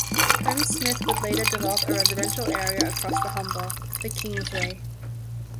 Home Smith would later develop a residential area across the Humber, The Kingsway.